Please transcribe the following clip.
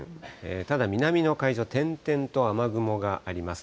ただ、南の海上、点々と雨雲があります。